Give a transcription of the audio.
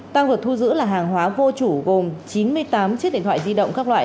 tăng vật thu giữ là hàng hóa vô chủ gồm chín mươi tám chiếc điện thoại di động các loại